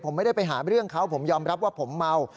ผมไม่ได้ไปหาเรื่องเขาผมยอมรับว่าผมเมา